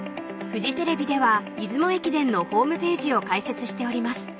フジテレビでは出雲駅伝のホームページを開設しております。